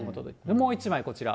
もう１枚、こちら。